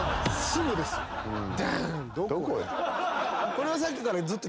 これはさっきからずっと。